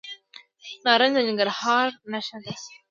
نارنج د ننګرهار نښه ده.